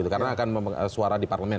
karena akan suara di parlemen